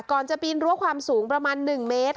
ก่อนจะปีนรั้วความสูงประมาณ๑เมตร